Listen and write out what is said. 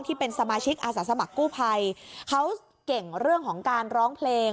ที่เป็นสมาชิกอาสาสมัครกู่พัยเขาเก่งของเรื่องร้องเพลง